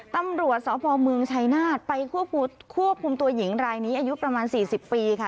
ตำรวจสพเมืองชัยนาฏไปควบคุมตัวหญิงรายนี้อายุประมาณ๔๐ปีค่ะ